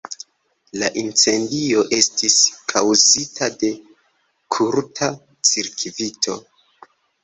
La incendio estis kaŭzita de kurta cirkvito.